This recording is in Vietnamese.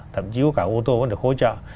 thậm chí cả ô tô cũng được hỗ trợ